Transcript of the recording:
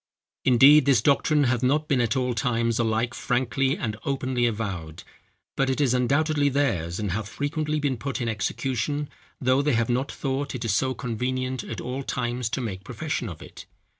"Indeed, this doctrine hath not been at all times alike frankly and openly avowed; but it is undoubtedly theirs, and hath frequently been put in execution, though they have not thought it so convenient at all times to make profession of it.